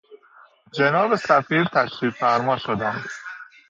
جناب سفیر تشریف فرما شدند.